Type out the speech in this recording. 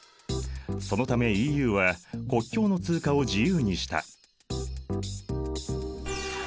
そのためＥＵは国境の通過を自由にした。